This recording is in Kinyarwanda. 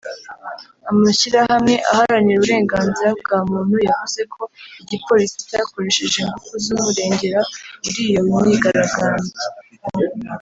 Amashyirahamwe aharanira uburengnzira bwa muntu yavuze ko igipolisi cyakoresheje ingufu z’umurengera muri iyo myigaragambyo